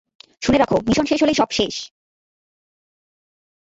শুনে রাখো, মিশন শেষ হলেই সব শেষ!